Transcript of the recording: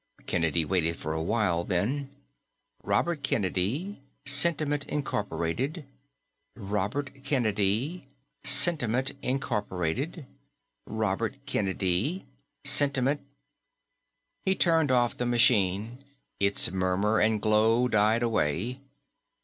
Kennedy waited for a while, then: "Robert Kennedy. Sentiment, Inc. Robert Kennedy. Sentiment, Inc. Robert Kennedy. Sentiment " He turned off the machine, its murmur and glow died away.